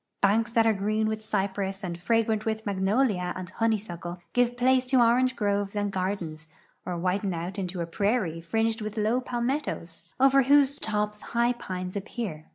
Banks that are green with cypress and fragrant with magnolia and hone3^suckle give place to orange groves and gardens, or widen out into a prairie fringed with low palmettos, over whose tops high jiiues appear.